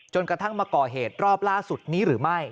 กระทั่งมาก่อเหตุรอบล่าสุดนี้หรือไม่